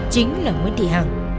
chính là nguyễn thị hằng